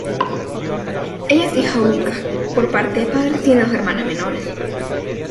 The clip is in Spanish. Ella es hija única, por parte de padre tiene dos hermanas menores.